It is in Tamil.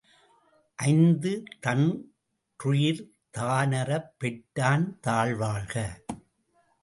ஐந்து தன்றுயிர் தானறப் பெற்றான் தாள் வாழ்க!